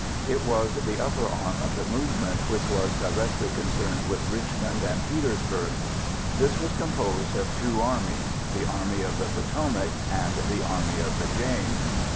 It was the upper arm of the movement which was directly concerned with Richmond and Petersburg. This was composed of two armies: the Army of the Potomac and the Army of the James.